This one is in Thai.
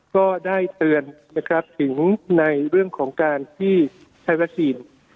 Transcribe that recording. ก็ได้เตือนถึงในเรื่องของการที่ใช้วัตติกิน